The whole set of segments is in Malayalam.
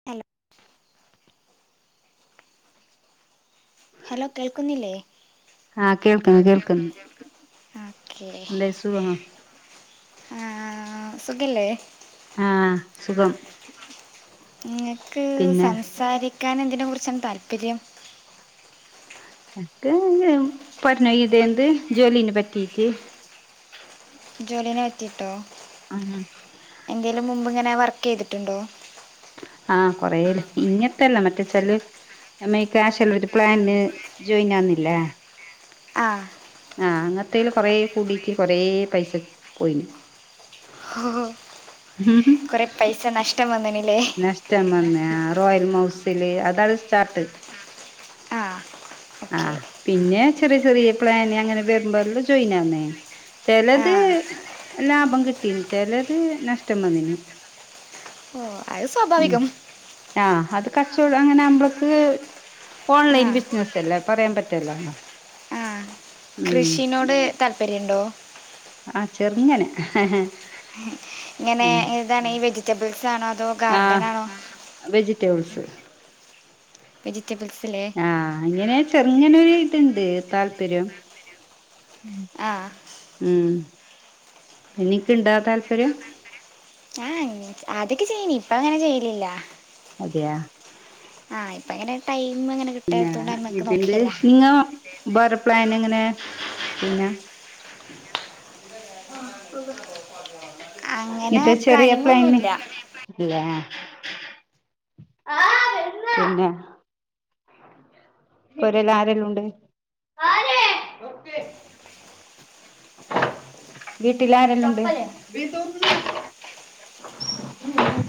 ഹലോ ഹലോ കേൾക്കുന്നില്ലേ ആഹ് ഉം കേൾക്കുന്നു കേൾക്കുന്നു കേക്കുന്നുണ്ട് ഓക്കേ എന്തായി സുഖമാ ആ സുഖല്ലേ ആഹ് സുഖം ഉം നിങ്ങക്ക് പിന്നെ സംസാരി ക്കാൻ എന്തിനെക്കുറിച്ചാണ് താല്പര്യം എക്ക് പറഞ്ഞു ഇതന്ത് ജോലിനെ പറ്റീട്ട് ജോലീനെ പറ്റീട്ടോ മ്മ്ഹ്ഹ് എന്തേലും മുമ്പ ഇങ്ങനെ വർക്ക് ചെയ്തിട്ടുണ്ടോ ആഹ കൊറല്ലേ ഇങ്ങത്തെല്ല മറ്റേ ചെല് നമ്മ ഈ കാശലവതി പ്ലാന്ന് ജോയിൻ ആവുന്നില്ല ആഹ ആഹ അങ്ങനത്തേയില് കൊറ കൂടിട്ട് കൊറ പൈസ പോയിന് ഓഹോ കൊറെ പൈസ നഷ്ടം വന്നനില്ലേ നഷ്ടം വന്നേ റോയൽ മൗസില് അതാണ് സ്റ്റാർട്ട് ആ ഓക്കെ ആഹ് പിന്നെ ചെറിയ ചെറിയ പ്ലാന് അങ്ങനെ വരുമ്പോല്ലോ ജോയിൻ ആന്നേ ആ ചിലത് ലാഭം കിട്ടീന് ചിലത് നഷ്ടം വന്നന് ഓ അത് സ്വാഭാവികം ആഹ അത് കച്ചവടം അങ്ങനെ നമ്മക്ക് ആ ഓൺലൈൻ ബിസിനസ് ല്ല പറയാൻ പറ്റല്ലല്ലോ ആ കൃഷിനോട് താല്പര്യംണ്ടോ ആഹ ചെറുങ്ങനെ ഇങ്ങനെ ഇഏതാണ് ഈ വെജിറ്റബിൾസ്ണോ അതോ ആഹ ഗാർഡൻ ആണോ വെജിറ്റബിൾസ് വെജിറ്റബിൾസിലേ ആഹ് ഇങ്ങനെ ചെറുങ്ങനെരു ഇതുണ്ട് താല്പര്യം ആ ഉ എനിക്കണ്ടാ താല്പര്യം ആഹ അദ്യതൊക്കെ ചെയ്യനി ഇപ്പ അങ്ങനെ ചെയ്ലില്ല അതെയാ ആ ഇപ്പോ അങ്ങനെ ടൈം അങ്ങനെ പിന്നെ കിട്ടാത്തോണ്ട് അയ്മക്ക് ഇതണ്ട് നോക്കേല്ല നിങ്ങ ബറപ്ലൻ എങ്ങനെ പിന്നെ? അങ്ങനെ ങ്ങത്തേ ചെറിയ പ്ലാനിങ് പ്ലൈന്- ഒന്നുല്ല അല്ലേ പിന്നെ? പൊരെല്ല് ആരെല്ലാം ഉണ്ട്? വീട്ടിൽ ആരല്ലാംണ്ടു?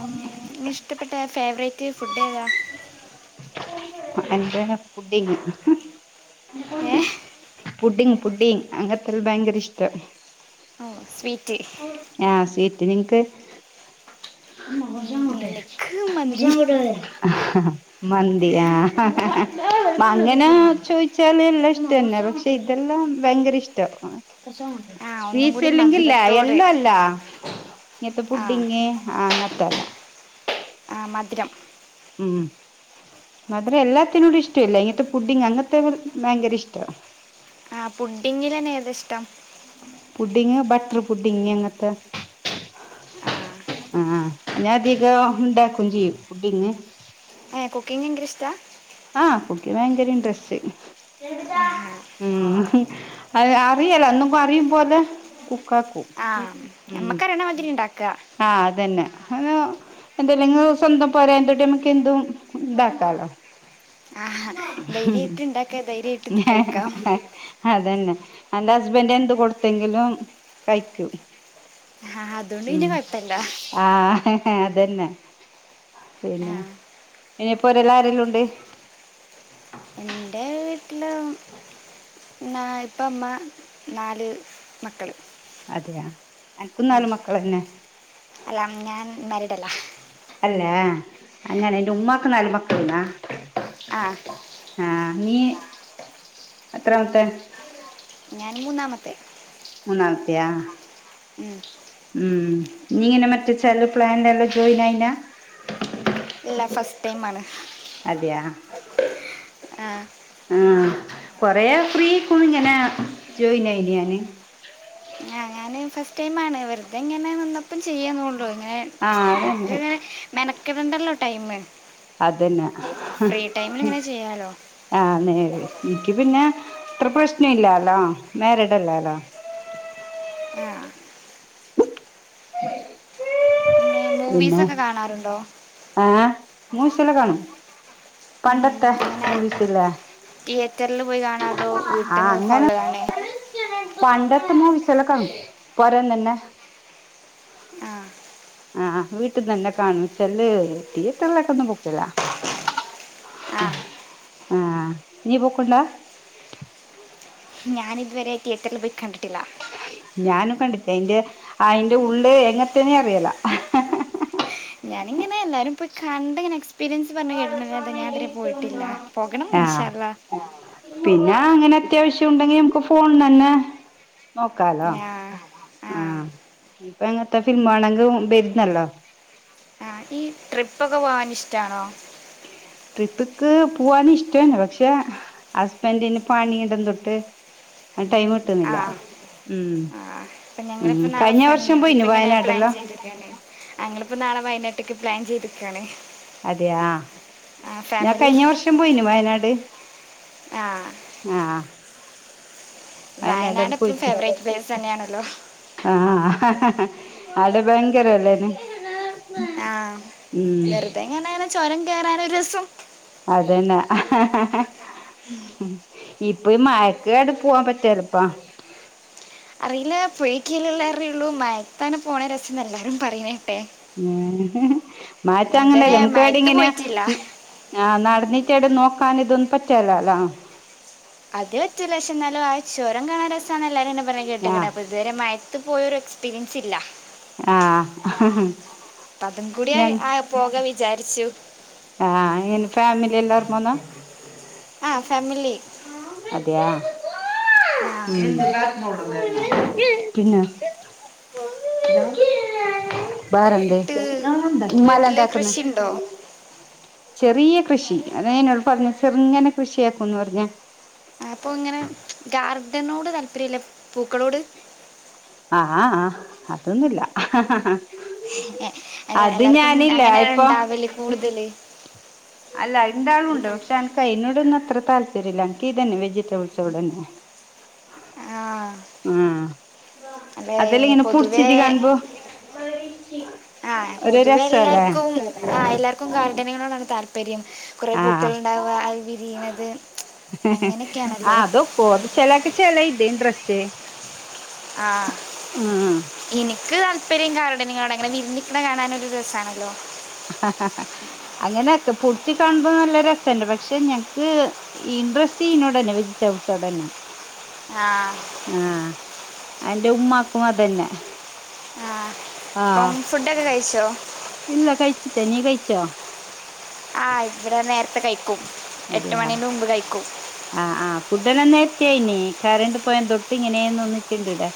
അങ്ങനെ നി ഇഷ്ടപ്പെട്ട ഫേവറേറ്റ് ഫുഡ് ഏതാ? എന്റെ പുഡിംഗ്. ഏഹ് പുഡിങ് പുഡിങ് അങ്ങത്തെല്ല ഭയങ്കര ഇഷ്ട ഓ സ്വീറ്റ് ആഹ് സീറ്റ് നിങ്ങക്ക്? [unintelligible] ഉം എനിക്ക് മന്തി ഹഹഹ മന്തിയാ അങ്ങനെ ചോദിച്ചാല് എല്ലാ ഇഷ്ടന്നെ പക്ഷേ ഇതെല്ലാം ഭയങ്കര ഇഷ്ടാ. ആഹ് ഒന്നും സ്വീറ്റ്സ് കൂടി ഇല്ലെങ്കില്ലയ മധുരത്തോട് അല്ല. ഇങ്ങത്തെ ആഹ് പുഡിങ്ങ് ആഹ് ങ്ങത്തള്ളേ മധ്രം ഉം. മധുരംല്ലാത്തിനോടും ഇഷ്ടല്ല ഇങ്ങനത്തെ പുഡിങ് അങ്ങനത്തെ ഭയങ്കര ഇഷ്ടാണ് ആ് പുഡിങ്കിലന്നെ ഏത ഇഷ്ടം? പുഡിങ് ബട്ടർ പുഡിങ് അങ്ങത്തെ ആഹ് ആഹ് ഞാൻ അധികം ഉണ്ടാക്കയും ചെയ്യും പുഡിങ്. ഏ കുക്കിംഗ് യങ്കരീഷ്ടാ? ആഹ് കുക്കിംങ് ഭയങ്കര ഇൻട്രസ്റ്റ് ആഹാ ഉം അത് അറിയലോ എന്നുംമ്പറയും പോലെ കുക്കാക്കൂ ആഹ് ഞമ്മക്കറിയ്ണമാതിരിണ്ടാക്ക ആഹ് അതന്നെ [unintelligible] എന്തല്ലെങ്ങുസൊന്നു പൊരേ എന്തോട്ടേ മ്മക്ക് എന്തും ഇതാക്കാലോ. ആഹ് ധൈര്യായിട്ട് ഇണ്ടാക്ക ധൈര്യായിട്ട് ഇത് കഴിക്കാം. അതന്നെ എന്റെ ഹസ്ബൻഡ് എന്ത് കൊടുത്തെങ്കിലും കയിക്കും. ആഹ് ഉം ആ ഹ അതന്നെ ആ പിന്നെ ഇനിയിപ്പോരെല്ലാ രെല്ലാം ഉണ്ട്? എന്റേ വീട്ടിലും ഇമ്മാ ഇപ്പ മ്മ നാല് മക്കള്. അതെയാ- അനക്ക് ഉം നാല് മക്കളന്നെ അല്ലാം ഞാൻ മാരീഡല്ല. അല്ലേ അങ്ങനെ നിന്റെ ഉമ്മാക്ക് നല്മക്കള്ന്നാ? ആ ആഹ് നീ എത്രാമത്തെ? ഞാൻ മൂന്നാമത്തെ. മൂന്നാമെത്തയാ? ഉം ഉം നീ എന്നാ മറ്റേ ചെല പ്ലാന്റെല്ലോ ജോയിന് ആയിനാ? ഇല്ല ഫസ്ടൈം ആണ്. അതെയാ? ആഹ്. ആഹ് കൊറേ ഫ്രീക്കുങ്ങനെ ജോയിന് ആയിന് ഞാന്. ആഹ് ഞാന് ഫസ്ടൈം ആണ് വെറുതെങ്ങനെ നിന്ന പ്പം ചെയ്യാന്നൊള്ളൂ ഇങ്ങനേ ആഹ് നമ്മക്ക്ങ്ങനെ മെനക്കടണ്ടല്ലോ ടൈമ്. അതന്നെ അതന്നെ ഫ്രീ ടൈമില് ഇങ്ങനെ ചെയ്യാലോ? ആഹ് നേര് നിന്ക്ക് പിന്നേ ഇത്ര പ്രശ്ന ഇല്ലാലോ മാരീഡല്ലാലോ ആ [inaudible] പിന്നെ പിന്നെ മൂവീസൊക്കെ കാണാറ്ണ്ടോ ആഹ് മൂവിസൊക്കെ കാണും പണ്ടത്തെ മൂവിസ് ല്ലേ തിയ്യേറ്ററില് പോയി കാണാ അതോ ആഹ് വീട്ട്ന്ന് അങ്ങനെ ഫോണിൽ കാണേ പണ്ടത്തെ മൂവീസലേക്കാണും പൊരേന്നന്നെ ആഹ് ആഹ് വീട്ടിന്നന്നെ കാണും ചെലേത് തിയേറ്ററിലേക്കൊന്നും പോക്കില്ല ആ ആഹ് നീ പോക്ക്ണ്ടാ ഞാനിതുവരേ തിയ്യേറ്ററിൽ പോയി കണ്ടിട്ടില്ല ഞാനും കണ്ടിട്ടേ അയിന്റെ അയിന്റെ ഉള്ള് എങ്ങത്തേന്നേ അറിയല്ല ഞാന്ങ്ങനേ എല്ലാരും പോയി കണ്ടങ്ങനെ എക്സ് പീരിയൻസ് പറഞ്ഞ് കേട്ട്ട്ട്ണ്ട്ന്നല്ലാതെ ഞാനിതുവരെ പോയിട്ടില്ല പോകണം ഇൻശാഅല്ലാഹ്‌ പിന്നേ അങ്ങനെ അത്യാവശ്യം ഉണ്ടെങ്കി നമുക്ക് ഫോണ്ന്നന്നേ നോക്കാലോ ഞാ ആ ആ ആഹ് ഇപ്പ എങ്ങത്തെ ഫിലിം വാണെങ്കും വരുന്നല്ലോ ആ ഈ ട്രിപ്പൊക്കെ പോവ്വാന് ഇഷ്ടാണോ ട്രിപ്പ്ക്ക് പൂവ്വാനിഷ്ടാണ് പക്ഷേ ഹസ്ബൻഡിന് പണി ഇടം തൊട്ട് അയ്ൻ ടൈം ആ കിട്ട്ന്നില്ല ഉം ആ അപ്പം ഉം ഞങ്ങളിപ്പോൾ കയിഞ്ഞ വർഷം പോയിനു വയനാട്ട്ല് അതെയല്ലേ അങ്ങള്പ്പൊ നാളെ വയനാട്ട്ക്ക് പ്ലാൻ ചെയ്ത്ക്കാണ് അതെയാ ഞാൻ കയിഞ്ഞ വർഷം പോയിനു വയനാട് ആഹ് ആഹ് വയനാട് എപ്പളും ഫേവറേറ്റ് പ്ലേസ് തന്നെയാണല്ലോ ആഹ് ഹ് ഹ് ഹ് അവടെ ഭയങ്കരല്ലേന് ആ ഉം വെറുതെ എങ്ങനെ അങ്ങനെ ചോരം കയറാനൊരു രസം അതന്നെ ഇപ്പൊ മയക്കട് പോവാൻ പറ്റലപ്പാ അറിയില്ല പോയ കീലല്ല അറിയള്ളൂ മയത്താനെ പോണ രസംന്ന് എല്ലാരും പറയനേട്ടെ ഉ മാച്ച അങ്ങല്ല ഇതുവരെ നമുക്ക്വിടെ മയത്ത് ഇങ്ങനെ പോയിട്ടില്ല ആഹ നടന്നീട്ടടെ നോക്കാൻ ഇതൊന്ന പറ്റല്ലല്ലോ അത് പറ്റല്ല പക്ഷ എന്നാലും ആ ചോരം കാണാൻ രസമാണ് എല്ലാരും എന്നെ പറഞ്ഞഞ് ആ കേട്ടിൊതുവര അത്ത് പോയൊരു എക്സ്പീരിയൻസ് ഇല്ല ആഹ് അപ്പ അതും കൂടി ആ പോക വിചാരിച്ചു ആഹ് ഇന് ഫാമിലി എല്ലാവർും പോന്നോ ആഹ് ഫാമിലി അതെയാ ആ പിന്നെ വേറെ ഇട്ട് എന്ത ഹിമാല വീട്ടില് എന്താക്കുന്ന കൃഷിയുണ്ടോ ചെറിയ കൃഷി അതേന്നേപറഞ്ഞേ ചെറ്ങ്ങന കൃഷിയാക്കുംന്ന് പറഞ്ഞ അപ്പൊ ഇങ്ങനെ ഗാർഡനോട് താല്പര്യംല്ല പൂക്കളോട് ആഹ് ആഹ് അതൊന്നുമില്ല അത എല്ലാർക്കും അങ്ങനെ ഇപ്പൊ ഉണ്ടാവല്ലേ കൂടുതല് അല്ല ഇണ്ടാവണ്ട് പക്ഷെ എനക്ക് അയിനോട ഒന്നും അത്ര താല്പര്യമില്ല എനിക്ക് ഇതന്നെ വെജിറ്റബിൾസോട തന്നെ ആഹ് ആഹ് അതെലിങ്ങനെ പുടിച്ചിത് പൊതുവേ കാണുമ്പോ ആഹ് ഒരു പൊതുവെ രസല്ലേ എല്ലാർക്കും ആഹ് എല്ലാർക്കും ഗാർഡനങ്ങളോടാണ് താല്പര്യം ല്പര്യം കുറെേ ആഹ് പൂക്കൾ ഉണ്ടാവ അത് വിരിയണത് ആ അങ്ങനെയൊക്കെയാണല്ലോ അതൊക്കോ അത് ചെലാക്ക് ചെലെ ഇത് ഇൻട്രസ്റ്റ് ആഹ ഉം ഇൻക്ക് താല്പര്യം ഗാർഡന് കാണാന് ഇങ്ങനെ വിരിന്ന്ക്ക്ണെ കാണാനൊരു രസാണല്ലോ അങ്ങനെക്കെ പുട്ച്ച് കാണുമ്പോ നല്ല രസണ്ട് പക്ഷെ ഞങ്ങക്ക് ഇൻട്രസ്റ്റ് ഇനോടനെ വെജിറ്റബിൾസ്നോടനെ ആഹ ആഹ അന്റെ ഉമ്മാക്കും അതന്നെ ആഹ ആ അപ്പം ഫുഡൊക്കെ കഴിച്ചോ? ഇല്ല കഴിച്ചിട്ട നീ കഴിച്ചോ? ആഹ ഇവിടെ നേരത്തെ കഴിക്കും എട്ട് അതെയാ മണിൻന്റെ മുമ്പ് കഴിക്കും ആ ആ ഫുഡെല്ലാം നേരത്തെ കയിന്ന് കറണ്ട് പോയ എന്തൊട്ട് ഇങ്ങനെയന്ന് ഒന്നിച്ചിണ്ട് ഇവടെ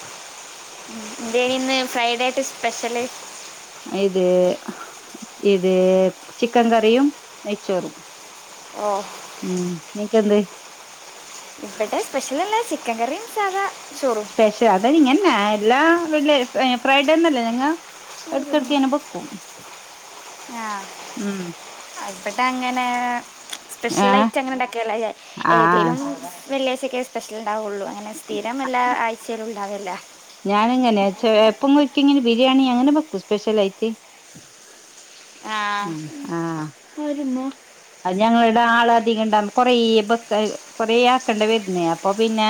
എന്തേനിന്ന് ഫ്രൈഡേ ആയിട്ട് സ്പെഷ്യല്? ഇത് ഇത് ചിക്കൻ കറിയും നെയ്ച്ചോറും ഓ ഉം നിക്കെന്ത്? ഇമ്പടെ സ്പെഷ്യലല്ല ചിക്കൻ കറിയും സാധാ ചോറും. സ്പെശ്യ അതെ ഇങ്ങനെ തന്നെ എല്ലാ വെള്ളി ഫ്രൈഡേ ന്നല്ലേ നിങ്ങ എടക്കെട്ക്കെ ങ്ങനെ ബെക്കും ആഹ ഇമ്പടെ അങ്ങനെ സ്പെഷ്യൽ ഏഹ് ആയിട്ട് അങ്ങനെ ഇണ്ടാക്കേല്ല ആഹ് ഏതേലും വെളളിആയ്ച്ചയോക്കെ സ്പെഷ്യൽ ഇണ്ടാവോള്ളൂ അങ്ങനെ സ്ഥിരം എല്ല ആഴ്ചയിലും ഇണ്ടാവേല്ല്യ ഞാനിങ്ങനെ ചെ എപ്പെങ്കിലും ഒരിക്കെ ങ്ങനെ ബിരിയാണി അങ്ങനെ വെക്കും സ്പെഷ്യൽ ആയിട്ട് ആഹ് ആഹ്.. അത് ഞങ്ങളിവിടെ ആളധികം ഇണ്ടവുമ്പോ കൊറെ ബെക് കൊറേ ആക്കണ്ടി വരുന്നേ അപ്പൊ പിന്നെ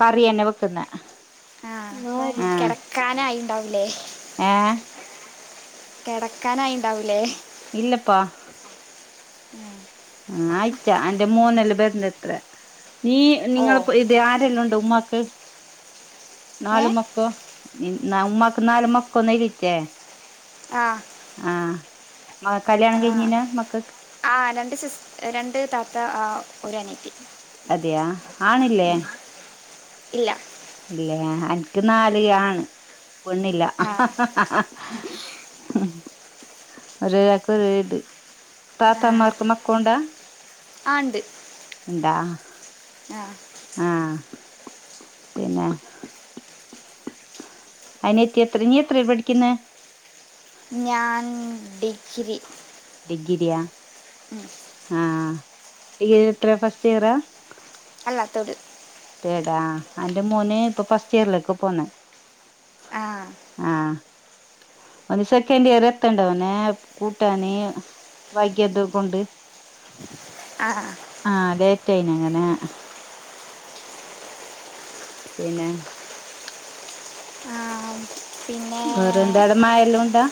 കറി തന്നെ വെക്കുന്നെ ആഹ് ക്കാനായി ഇണ്ടാവൂലേ? ഏ കെടക്കാനായി ഇണ്ടാവൂലേ? ഇല്ലപ്പാ ഉം ആയിറ്റാ അൻന്റെ മോനല്ല ബരണത്ര നീ ഓ നിങ്ങളപ്പോ ഇത് ആരെല്ലാം ഉണ്ട് ഉമ്മാക്ക്? ഏ നാല് മക്കോ നീ ഉമ്മക്ക് നാല് മക്കൊ ഒന്ന് ഇടത്തെ ആഹ് ആഹ് മ കല്യാണം കഴിഞ്ഞിനോ മക്കക്ക് ആ രണ്ട് സിസ് രണ്ട് താത്ത ആ ഒരു അനിയത്തി അതെയാ ആണില്ലേ? ഇല്ല ഇല്ലേ അൻക്ക് നാല് ആണ് പെണ്ണില്ല. ആ ആഹ് ഒരാൾക്ക് ഒരു ഇത് ആ, താത്തമ്മാർക്ക് മക്കൗണ്ടാ? ആ ഇണ്ട് ഇണ്ടാ. ആഹ് ആഹ് പിന്നെ അയ്നെ എത്തി എത്ര നീ എത്രല പഠിക്കുന്നെ? ഞാൻ ഡിഗ്രി. ഡിഗ്രിയ ആഹ് ഇ എത്ര ഫസ്റ്റിയറാ അല്ലാ ത്തേട് തേടാ അന്റെ മോന് ഇപ്പൊ ഫസ്റ്റ് ഇയറിലേക്ക് പോന്ന ആഹ് ആഹ് ഒന്ന് സെക്കൻഡിയറ് എത്തണ്ടഹനാ അവനെ കൂട്ടാന് വൈകിയത് കൊണ്ട് ആഹ് ആഹ് ലേറ്റായിനങ്ങനെ പിന്നെ ആ, പിന്നെ വേറെന്തടമായല്ലാം ഉണ്ടാ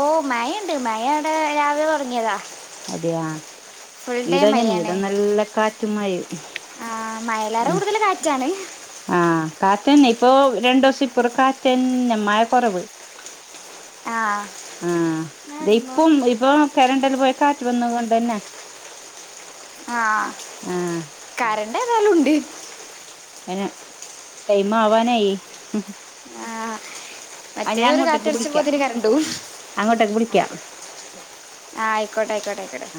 ഓഹ് മയണ്ട് മയ ഇവിടെ രാവിലെ തുടങ്ങിയതാ അതെയാ ഫുൾ ഡേ ഇട എങ്ങനെ ഇട നല്ല കാറ്റുമായേം ആഹ് മയലാറ കൂടുതല് കാറ്റാണ് ആഹ് കാറ്റന്ന ഇപ്പൊ രണ്ടു ദിവസം ഇപ്പറ കാറ്റന്ന മയ കുറവ് ആഹ് ആഹ് ഇപ്പം ഇപ്പൊ കരണ്ടൽ പോയി കാറ്റ് വന്ന കൊണ്ടന്നെ ആഹ് ആഹ് കറണ്ട് ഏതായാലും ഉണ്ട് എന ടൈമാവാനായി ആ ആ മറ്റേ ഞാൻ ഒരു അങ്ങോട്ടേക്ക് വിളിക്കാം കാറ്റടിച്ചപ്പോതിന് കരണ്ട് പോകും അങ്ങോട്ടേക്ക് വിളിക്കാം ആഹ് ആയിക്കോട്ടെ ആയിക്കോട്ടെ ആയിക്കോട്ടെ ആ